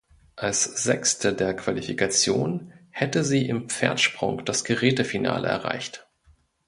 Als Sechste der Qualifikation hätte sie im Pferdsprung das Gerätefinale erreicht.